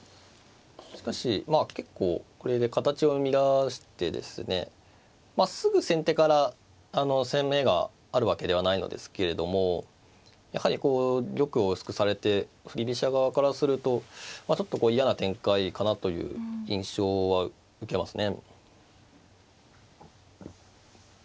しかしまあ結構これで形を乱してですねまあすぐ先手から攻めがあるわけではないのですけれどもやはりこう玉を薄くされて振り飛車側からするとちょっと嫌な展開かなという印象は受けますね。